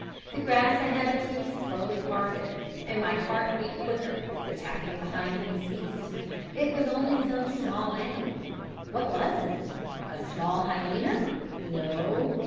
"The grass ahead of me slowly parted; my heart beat quicker, the tapping behind me ceased it was only some small animal. What was it? A small hyaena? No.